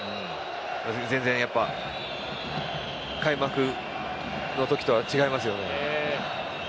全然、開幕の時とは違いますよね。